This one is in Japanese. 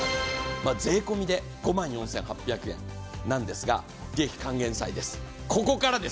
税込みで５万４８００円なんですが、ここからです